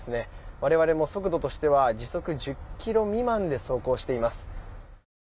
我々も速度としては時速１０ｋｍ未満で走行しています。